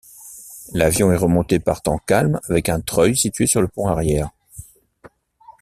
L’avion est remonté par temps calme avec un treuil situé sur le pont arrière.